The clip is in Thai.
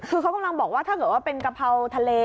คือเขากำลังบอกว่าถ้าเกิดว่าเป็นกะเพราทะเล